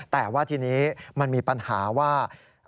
แต่ว่าทีนี้มันมีปัญหาว่า